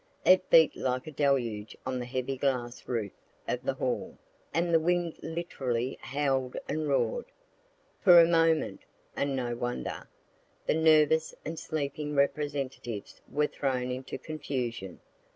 It beat like a deluge on the heavy glass roof of the hall, and the wind literally howl'd and roar'd. For a moment, (and no wonder,) the nervous and sleeping Representatives were thrown into confusion.